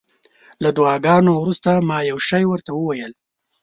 له دعاګانو وروسته ما یو شی ورته وویل.